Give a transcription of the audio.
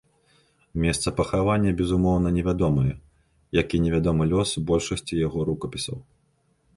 Месца пахавання, безумоўна, невядомае, як і невядомы лёс большасці яго рукапісаў.